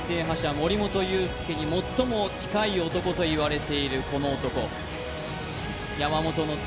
森本裕介に最も近い男といわれているこの男山本の爪